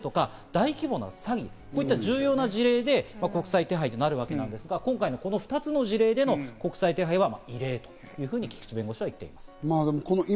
大規模な詐欺、重要な事例で国際手配となるわけですが、今回この２つの事例での国際手配は異例というふうに菊地弁護士は言っています。